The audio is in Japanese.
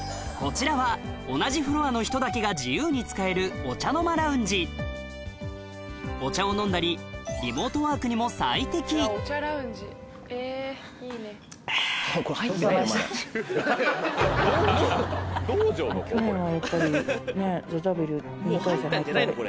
こちらは同じフロアの人だけが自由に使えるお茶を飲んだりリモートワークにも最適あぁ。